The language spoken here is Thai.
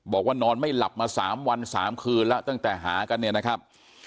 บอกว่านอนไม่หลับมา๓วัน๓คืนแล้วตั้งแต่หากันเนี่ยนะครับ